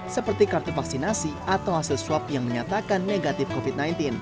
seperti kartu vaksinasi atau hasil swab yang menyatakan negatif covid sembilan belas